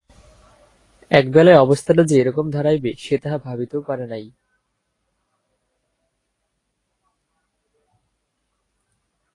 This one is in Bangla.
একবেলায় অবস্থাটা যে এরকম দাড়াইবে সে তাহা ভাবিতেও পারে নাই।